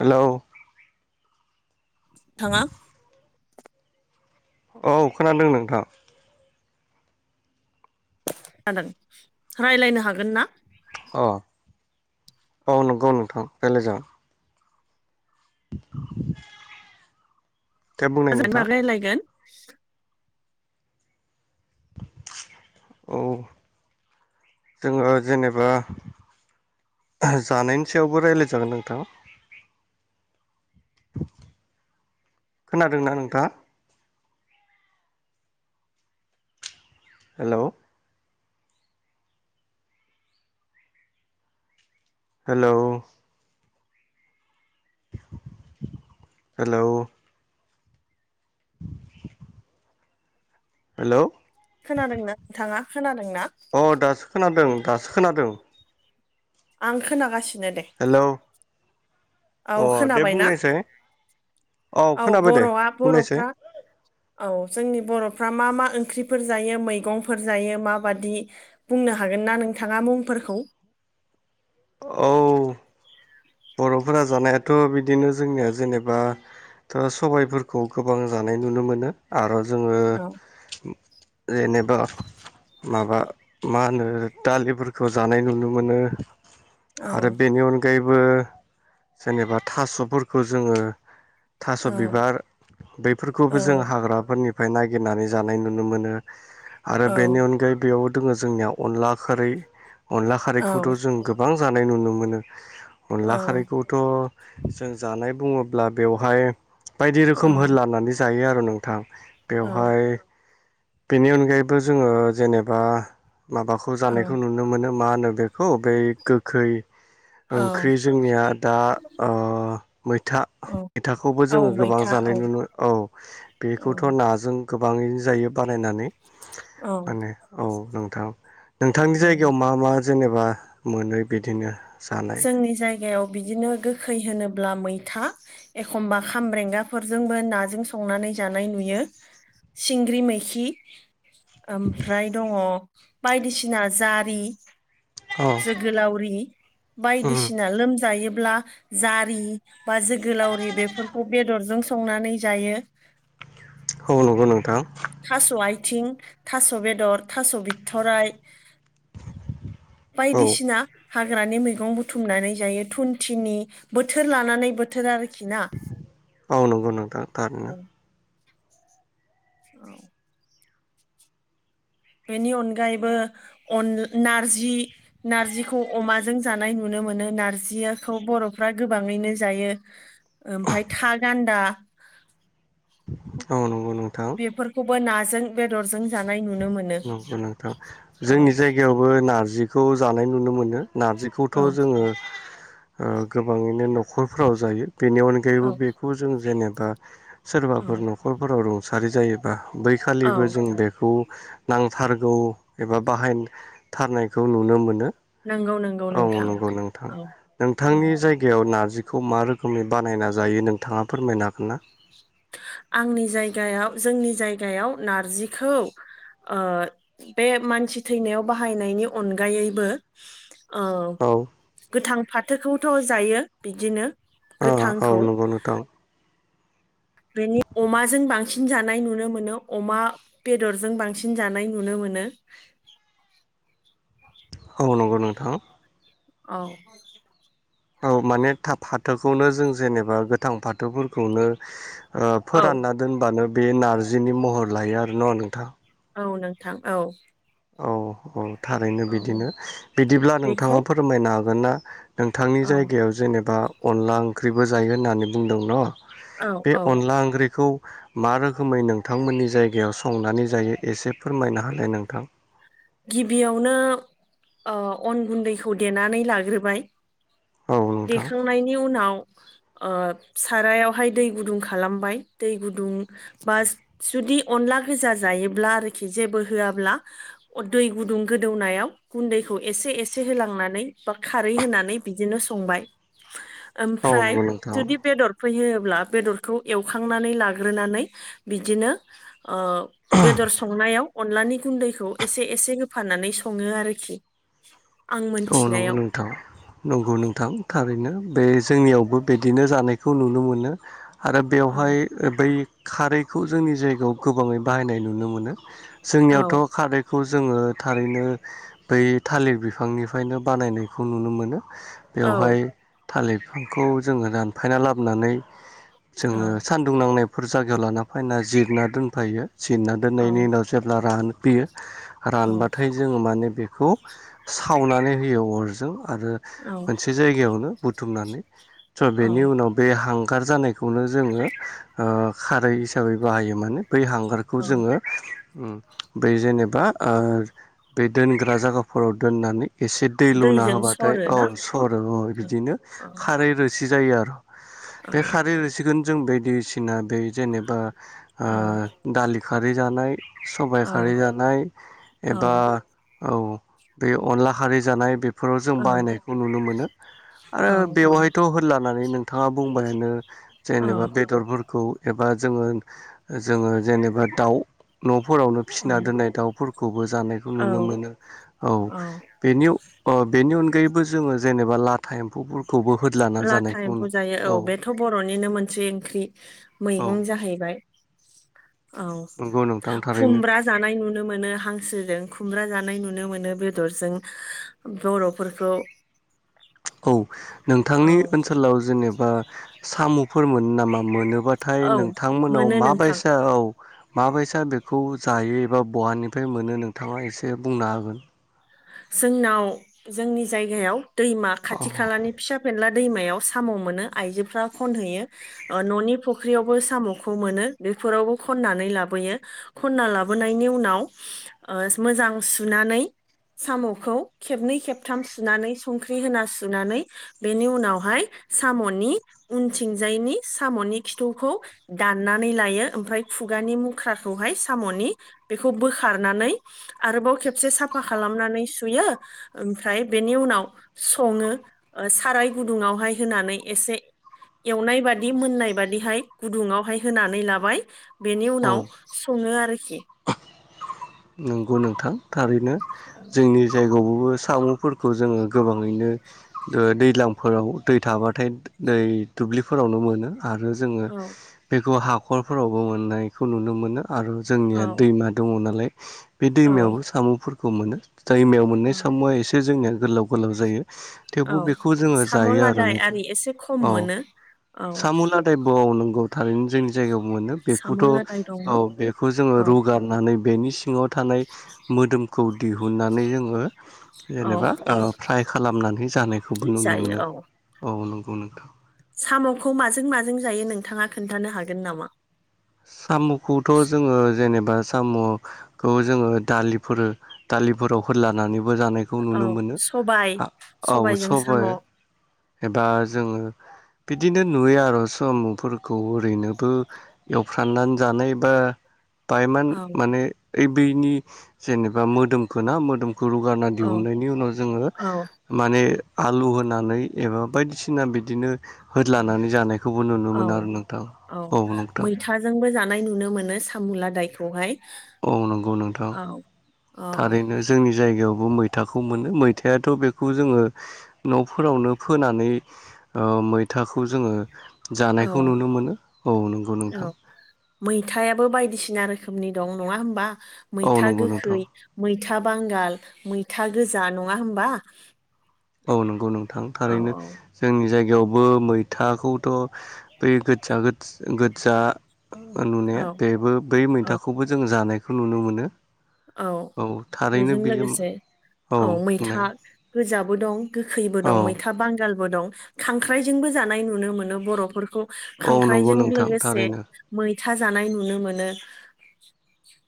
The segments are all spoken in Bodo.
हेलौ थाङा औ खोनादों नोंथां। जादों राय्लायनो हागोन ना अ औ नंगौ नोंथां रायज्लाय जागोन [inaudible] बुंनाय गोजोन नोंथां बागै रायलायगोन औ जोङो जेनेबा ओ जानायनि सायावबो राय्लायजागोन नोंथां खोनादोंना नोंथांआ हेलौ हेलौ हेलौ हेलौ खोनादोंना नोंथाङा खोनादों अ दासो खोनादों दासो खोनादों आं खोनागासिनो दे हेलौ औ अ दे खोनाबायनाा बुंनायसाय औ खोनाबाय दे बर'आ बुंनायसाय बर'फ्रा औ जोंनि बर'फ्रा मा मा ओंख्रिफोर जायो मैगंफोर जायो माबादि बुंनो हागोनना नोंथाङा मुंफोरखौ? औ। बर'फोरा जानायाथ' बिदिनो जोंनिया जेनेबा सबायफोरखौ गोबां जानाय नुनो मोनो आरो जोङो औ। जेनेबा माबा मा होनो दालिफोरखौ जानाय नुनो मोनो। औ आरो बेनि अनगायैबो जेनेबा थास'फोरखौ जोङो थास' औ बिबार औ बैफोरखौबो जों हाग्राफोरनिफ्राय नागिरनानै जानाय नुनो मोनो। आरो औ बेनि अनगायै बेयाव दङो जोंनिया अनला खोरै अनला औ खारैखौथ' जों गोबां जानाय नुनो मोनो। औ थ' जों जानाय बुङोब्ला बेवहाय बायदि रोखोम हो लानानै जायो आरो नोंथां बेवहाय बेनि अनगायैबो जोङो जेनेबा माबाखौ औ जानायखौ नुनो मोनो मा होनो बेखौ बै गोखै औ ओंख्रि जोंनिया दा ओ मैथा औ मैथाखौबो औ जोङो गोबां मैथा औ जानाय नुनो औ बेखौथ' नाजों गोबाङैनो जायो बानायनानै औ माने औ नोंथां। नोंथांनि औ जायगायाव मा मा जेनेबा मोनो बिदिनो जानाय जोंनि जायगायाव बिदिनो गोखै होनोब्ला मैथा एखमबा खामब्रेंगाफोरजोंबो नाजों संनानै जानाय नुयो सिंग्रि मैखि ओमफ्राय दङ बायदिसिना जारि औ जोगोलावरि उम बायदिसिना लोमजायो ब्ला जारि बा जोगोलावरि बेफोरखौ बेदरजों संनानै जायो। [inaudible] औ नंगौ नोंथां। थास' आथिं थास' बेदर थास' बिथथराइ औ बायदिसिना हाग्रानि मैगं बुथुमनानै जायो थुनथिनि बोथोर लानानै बोथोर आर औ नंगौ नोंथां औ थारैनो। औ। बेनि अनगायैबोन अन नारजि नारजिखौ अमाजों जानाय नुनो मोनो नारजिखौ बर'फ्रा गोबाङैनो जायो। ओमफ्राय था गान्दा औ नंगौ। नोंथां बेफोरखौबो नाजों बेदरजों जानाय नुनो मोनो नंगौ नोंथां औ जोंनि जायगायावबो नारजिखौ जानाय नुनो मोनो। नारजिखौथ' औ जोङो ओ गोबाङैनो न'खरफ्राव जायो। बेनि अनगायैबो औ बेखौ जों जेनेबा सोरबाफोर न'खरफोराव रुंसारि जायोबा औ बैखालिबो जों बेखौ नांथारगौ एबा बाहायथारनायखौ नुनो मोनो। नंगौ नंगौ औ नोंथां नंगौ नोंथां औ औ नोंथांनि जायगायाव ना जिखौ मा रोखोमनि बानायना जायो नोंथाङा फोरमायनो हागोन ना? आंनि जायगायाव जोंनि जायगायाव नारजिखौ ओ बे मानसि थैनायाव बाहायनायनि अनगायैबो औ गोथां फाथोखौथ' जायो बिदिनो ओ औ गोथांखौ नंगौ नोंथां बिनि अमाजों बांसिन बांसिन जानाय नुनो मोनो अमा बेदरजों बांसिन जानाय नुनो मोनो। [inaudible] औ नंगौ नोंथां औ। औ माने फाथोखौनो जों जेनेबा गोथां फाथोफोरखौनो औ फोरानना दोनबानो बे नारजिनि महर लायो आरो न' नोंथां। औ नोंथां औ। औ औ थारैनो औ बिदिनो बिदिब्ला नोंथाङा बेखौ फोरमायनो हागोन ना? नोंथांनि औ जायगायाव जेनेबा अनला ओंख्रिबो जायो होननानै बुंदों न औ बे औ अनला ओंख्रिखौ मा रोखोमै नोंथांमोननि जायगायाव संनानै जायो एसे फोरमायना होनाय नोंथां। गिबियावनो अन गुन्दैखौ देनानै लाग्रोबाय औ नोंथां देखांनायनि उनाव ओ सारायावहाय दै गुदुं खालामबाय दै गुदुं बा जुदि अनला गोजा जायोब्ला आरोखि जेबो होआब्ला दै गुदुं गोदौनायाव गुन्दैखौ एसे एसे होलांनानै बा खारै होनानै बिदिनो संबाय औ ओमफ्राय नंगौ नोंथां औ जुदि बेदर थुफैहयोब्ला बेदरखौ एवखांनानै लाग्रोनानै बिदिनो ओ बेदर संनायाव अनलानि गुन्दैखौ एसे एसे होफाननानै सङो आरोखि आं औ नंगौ मोनथिनायाव नोंथां नंगौ नोंथां थारैनो। बे जोंनियावबो बिदिनो जानायखौ नुनो मोनो आरो औ बेवहाय बै खारैखौ जोंनि जायगायाव गोबाङै बाहायनाय नुनो मोनो औ जोंनियावथ खारैखौ जोङो थारैनो बै थालिर बिफांनिफ्रायनो बानायनायखौ नुनो मोनो औ बेवहाय थालिर बिफांखौ जोङो दानफायना लाबोनानै औ जोङो सान्दुं नांनायफोर जायगायाव लाना फैना जिरना दोनफायो जिरना औ दोननायनि उनाव जेब्ला रानफैयो औ रानबाथाय जोङो माने बेखौ खावनानै होयो अरजों आरो औ मोनसे जायगायावनो बुथुमनानै स बेनि औ उनाव बे हांगार जानाय खौनो जोङो ओ खारै हिसाबै बाहायो मानो बै हांगारखौ औ जोङो उम बै जेनेब बा ओ बे दोनग्रा जायगाफोराव दोननानै एसे दै लुना दैजों होबाथाय सरो औ ना सर औ बिदिनो औ खारै रोसि जायो आरो बे औ खारै रोसिखोनो जों बायदिसिना दै जेनेबा आ औ दालि खारै जानाय सबाइ औ खारै जानाय औ एबा औ बे अनला खारै जानाय बेफोराव जों औ बाहायनायखौ नुनो मोनो आरो बेवहायथ होदलानानै नोंथाङा बुंबायानो जेनेबा औ बेदरफोरखौ एबा जोङो जोङो जेनेबा दाउ न फोरावनो फिसिना दोन्नाय दाउफोरखौबो जानायखौ नुनो औ मोनो औ बेनि अ बेनि अनगायैबो जोङो जेनेबा लाथा एम्फौफोर लाथा एम्फौ जायो औ बेथ बरनिनो मोनसे ओंख्रि औ मैगं जाहैबाय औ नंगौ नोंथां थारैनो खुमब्रा जानाय नुनो मोनो हां सोजों खुमब्रा जानाय नुनो मोनो बेदरजों बरफोरखौ औ औ नोंथांनि ओनसोलाव जेनेबा सामफोर मोनो नामा मोनो? बाथाय औ नोंथांमोनाव मोनो नोंथां माबायसा औ माबायसा बेखौ जायो एबा बहानिफ्राय मोनो नोंथांङा एसे बुंनो हागोन? जोंनाव जोंनि जायगायाव दैमा खाथि खालानि फिसा फेनला दैमायाव साम मोनो आइजोफोरा खनहैयो ननि फुख्रियावबो सामखौ मोनो बे फोरावबो खननानै लाबोयो खनना लाबोनायनि उनाव ओ‌ मोजां सुना नै सामखौ खेबनै खेबथाम सुनानै संख्रि होना सुनानै बेनि उनावहाय सामनि उनथिंजायनि सामनि खिथुखौ दान्नानै लायो ओमफ्रा खु गानि मुख्राखौ सामनि बेखौ बोखारनानै आरोबाव खेबसे साफा खालाम नानै सुयो ओमफ्राय बेनि उनाव संङो ओ साराइ गुदुंवावहाइ होनानै एसे एवनाय बादि मोननाय बादिहाय गुदुंवाहाय होनानै लाबाय बेनि औ उनाव संङो आरोखि नंगौ नोंथां थारैनो जोंनि जायगायावबो सामफोरखौ जोङो गोबांङैनो ओ दैज्लांफोराव दै थाबाथाय दै [unintelligible] ब्लिफोरावनो मोनो आरो जोङो औ बेखौ हाखरफोरावबो मोननायखौ नुनो मोनो आरो जोंनिया औ दैमा दंङ नालाय बे दैमायावबो औ सामफोरखौ मोनो दैमायाव मोननाय औ सामुआ एसे जोंनिया गोलाव गोलाव जायो औ थेवबो बेखौ जोङो साम' जायो आरो लादाय नोंथां आरि एसे खम अ मोनो औ सामु लादाइब नों [unintelligible] थारैनो जोंनि जायगायाव मोनो साम' बेखौथ लादाय दङ औ बेखौ जोङो औ रुगारनानै बेनि सिंङाव थानाय मोदोमखौ दिहुननानै जोङो औ जेनेबा ओ फ्राय खालामनानै जानायखौबो नुनो जायो मोनो औ औ‌ नों गौ नोंथां सामखौ माजों माजों जायो नोंथांङा खोन्थानो हागोन नामा? साम खौथ जोङो जेनेब बा सामखौ जोङो दालिफोर दालिफोराव होदलानानै बो जानायखौ औ नुनो मोनो सबाय औ सबायजों साम' सबाय औ एबा जोङो बिदिनो नुयो आरो साम'फोरखौ ओरैनोबो एवफ्राननानै जानाय बा बायमान औ माने ओइ बैनि जेनेबा मोदोमखो ना मोदोम रुगारना दिहुननायनि उनाव जोङो औ माने आलु होनानै एबा बायदिसिना बिदिनो होदलानानै जानाय खौबो नुनो मोनो आरो नोंथां औ नोंथां। थाजोंबो जानाय नुनो मोनो सामुला दायखौहाय। औ नंगौ नोंथां औ थारैनो जोंनि जायगायाव मैथाखौ मोनो मैथायाथ बेखौ जोङो नफोरावनो फोनानै ओ मैथाखौ जोङो औ जानायखौ नुनो मोनो औ नंगौ नोंथां औ मैथायाबो बायदिसिना रोखोमनि दं नङा होमबा औ मैथा नंगौ नोंथां गोखै मै था बांगाल मैथा गोजा नङा होमबा। औ नंगौ नोंथां औ थारैनो औ जोंनि जायगा बेयावबो मैथाखौथ बै गोदजा गोदजा नुनाया औ बेबो बै औ मैथाखौबो जों जानायखौ नुनो मोनो। औ थारैनो बेजों बेयो लोगोसे औ मैथा। गोजाबो दं गोखैबो औ दं मैथा बांगाल। बो दं खांख्रायजोंबो जानाय नुनो मोनो बर'फोरखौ। औ नंगौ खांख्राइजों नोंथां लोगोसे थारैनो मै था जानाय नुनो मोनो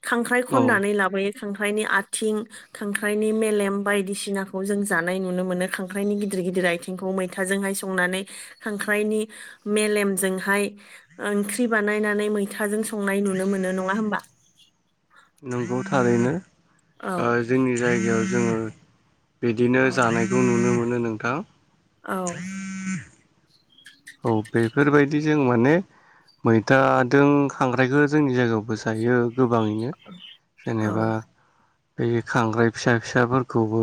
खांख्राइ औ खननानै लाब नि खांख्रायनि आथिं खांख्रायनि मेलेम बायदिसिनाखौ जों जानाय नुनो मोनो खांख्रायनि गिदिर गिदिर आथिंखौ मैथाजोंहाय संनानै खांख्राइनि मेलेमजोंहाय ओंख्रि बानायनानै मैथाजों संनाय नुनो मोनो नङा होमबा। नंगौ थारैनो ओ औ जोंनि जायगायाव जोङो बिदिनो औ जानायखौ नुनो मोनो नोंथां। औ। औ बेफोरबायदि जों माने मैथाजों खांख्रायखौ जोंनि जायगायावबो जायो। गोबाङैनो औ जेनेबा बे खांख्राय फिसा फिसाफोरखौबो।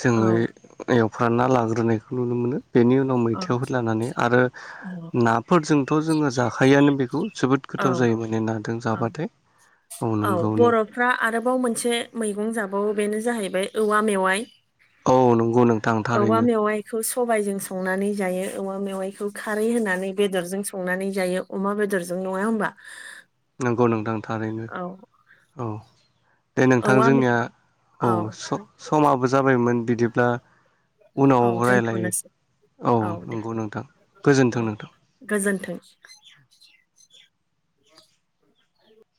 जोङो औ एवफ्रा ना लाग्रोनायखौ नुनो मोनो बेनि उनाव औ मैथायाव होलानानै। आरो औ नाफोरजोंथ' जोङो जाखायोआनो बेखौ जोबोद गोथाव औ जायो माने नाजों औ जाबाथाय। औ नंगौ नों बर'फ्रा आरोबाव मोनसे मैगं जाबावो बेनो जाहैबाय औवा मेवाइ। औ नंगौ नोंथां औवा थारैनो मेवाइखौ सबाइजों संनानै जायो औवा मेवाइखौ खारै होनानै बेदरजों संनानै जायो अमा बेदरजों। नङा होमबा। नंगौ नोंथां थारैनो औ औ। दे नोंथां औवा मे- जोंनिया औ सम समाबो जाबायमोन बिदिब्ला। उनाव औ रायलाय दोनथ'नोसै औ नंगौ नोंथां गोजोनथों औ नोंथां। गोजोन्थों [inaudible]